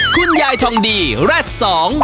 คุณยายทองดีแร็ดสอง